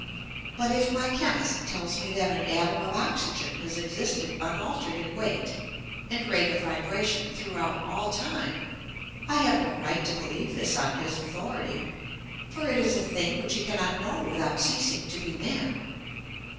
But if my chemist tells me that an atom of oxygen has existed unaltered in weight and rate of vibration throughout all time, I have no right to beheve this on his authority, for it is a thing which he cannot know without ceasing to be man.